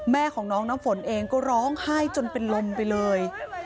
แม่ของน้องน้ำฝนเองก็ร้องไห้จนเป็นลมไปเลย